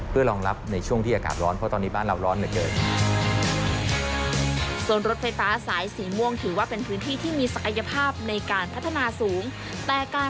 เพื่อรองรับในช่วงที่อากาศร้อนเพราะตอนนี้บ้านเราร้อนเหลือเกิน